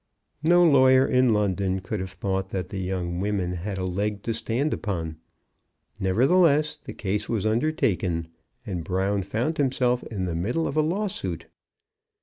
No lawyer in London could have thought that the young women had a leg to stand upon. Nevertheless, the case was undertaken, and Brown found himself in the middle of a lawsuit.